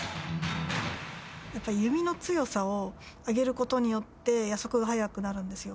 やっぱ弓の強さを上げることによって、矢速が速くなるんですよ。